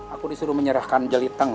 aku disuruh menyerahkan jeliteng